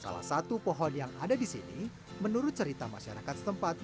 salah satu pohon yang ada di sini menurut cerita masyarakat setempat